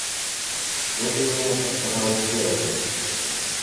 Что же ему оставалось делать?